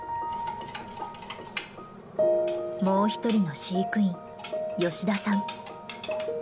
もう一人の飼育員吉田さん。